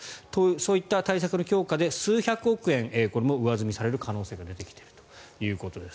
そういった対策の強化で数百億円これも上積みされる可能性が出てきているということです。